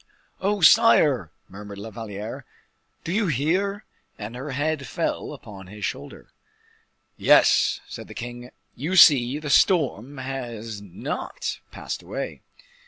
"Oh, sire!" murmured La Valliere, "do you hear?" and her head fell upon his shoulder. "Yes," said the king. "You see, the storm has not passed away."